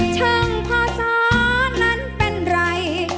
ช่างพ่อส้อนั้นเป็นไร